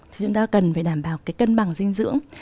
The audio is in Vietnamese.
thì chúng ta cần phải đảm bảo cái cân bằng dinh dưỡng